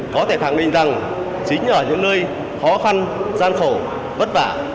có thể thẳng định rằng chính ở những nơi khó khăn gian khổ bất vả